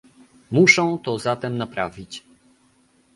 Muszą to zatem naprawić